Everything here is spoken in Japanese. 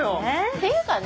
ていうかね